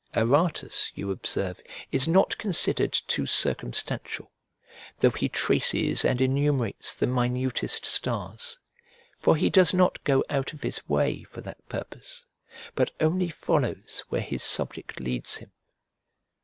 Aratus, you observe, is not considered too circumstantial, though he traces and enumerates the minutest stars, for he does not go out of his way for that purpose, but only follows where his subject leads him.